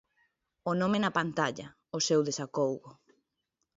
O nome na pantalla, o seu desacougo.